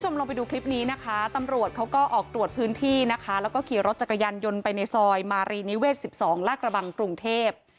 ลงไปดูคลิปนี้นะคะตำรวจเขาก็ออกตรวจพื้นที่นะคะแล้วก็ขี่รถจักรยานยนต์ไปในซอยมารีนิเวศ๑๒ลากระบังกรุงเทพ